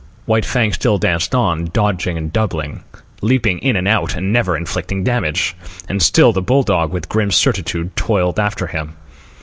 White Fang still danced on, dodging and doubling, leaping in and out, and ever inflicting damage. And still the bull dog, with grim certitude, toiled after him.